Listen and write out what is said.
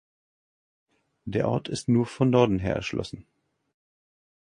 Der Ort ist nur von Norden her erschlossen.